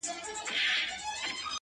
سري وخت دی، ځان له دغه ښاره باسه